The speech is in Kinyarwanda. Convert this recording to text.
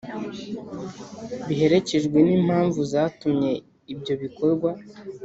Biherekejwe n impamvu zatumye ibyo bikorwa